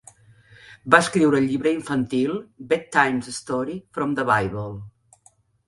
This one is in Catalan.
Va escriure el llibre infantil "Bedtime Stories from the Bible".